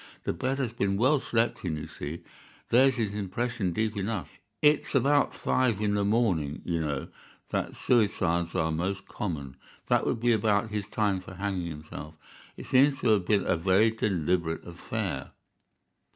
The bed has been well slept in, you see. There's his impression deep enough. It's about five in the morning, you know, that suicides are most common. That would be about his time for hanging himself. It seems to have been a very deliberate affair."